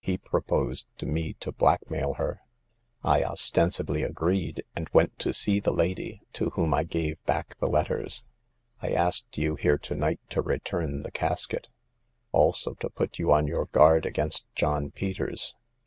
He proposed to me to blackmail her. I ostensibly agreed, and went to see the lady, to whom I gave back the letters. I asked you here to night to return the casket ; also to put you on your guard against John Peters.